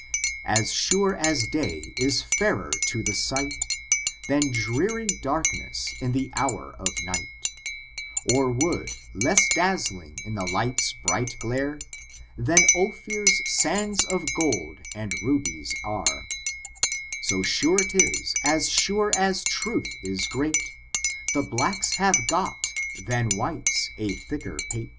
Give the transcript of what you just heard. As sure as day is fairer to the sight Than dreary darkness in the hour of night — Or wood, less dazzling in the sun's bright glare. Than Ophir's sands of gold and rubies are : So sure it is, as sure as truth is great. The blacks have got, than whites, a thicker paio.